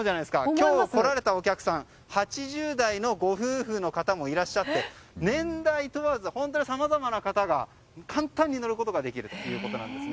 今日来られたお客さん８０代のご夫婦もいらっしゃって年代問わずさまざまな方が簡単に乗ることができるということです。